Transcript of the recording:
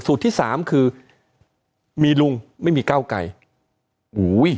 สูตรที่สามคือมีลุงไม่มีเก้าไกย